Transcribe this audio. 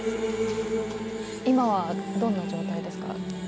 今はどんな状態ですか。